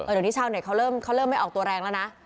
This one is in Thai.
เดี๋ยวนี้ชาวเน็ตเขาเริ่มไม่ออกตัวแรงแล้วนะ